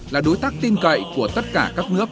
là đối tác tin cậy của tất cả các nước